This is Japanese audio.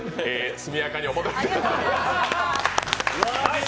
速やかにお戻りください。